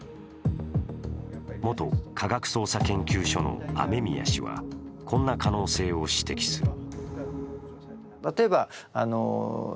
元科学捜査研究所の雨宮氏はこんな可能性を指摘する。